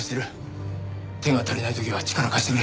手が足りない時は力貸してくれ。